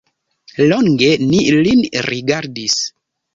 Longe ni lin rigardis.